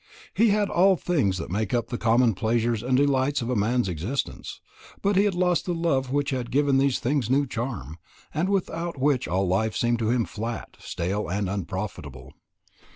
He had all things that make up the common pleasures and delights of a man's existence; but he had lost the love which had given these things a new charm, and without which all life seemed to him flat, stale, and unprofitable.